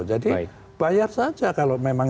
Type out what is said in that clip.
jadi bayar saja kalau memang